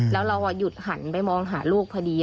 แล้วเราหยุดหันไปมองหาลูกพอดี